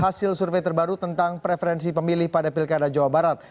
hasil survei terbaru tentang preferensi pemilih pada pilkada jawa barat